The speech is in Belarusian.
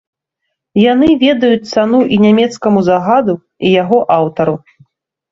Яны ведаюць цану і нямецкаму загаду, і яго аўтару.